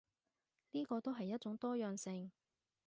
呢個都係一種多樣性